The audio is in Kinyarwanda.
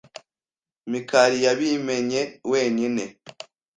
Mikali yabimenye wenyine.